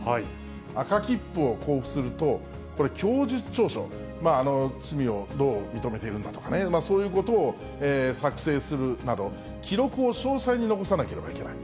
赤切符を交付すると、これ、供述調書、罪をどう認めているんだとか、そういうことを作成するなど、記録を詳細に残さなければいけない。